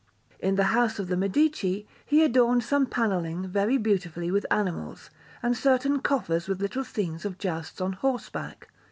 In the house of the Medici he adorned some panelling very beautifully with animals, and certain coffers with little scenes of jousts on horseback.